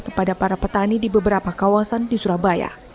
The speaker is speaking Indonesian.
kepada para petani di beberapa kawasan di surabaya